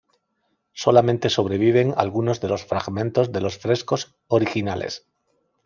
Solamente sobreviven algunos de los fragmentos de los frescos originales.